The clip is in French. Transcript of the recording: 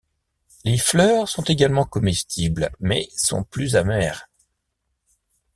Les fleurs sont également comestibles mais sont plus amères.